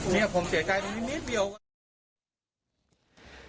เนี่ยผมเสียใจแค่นิดเดียวกัน